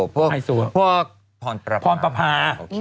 ไฮโซพวกพรประพา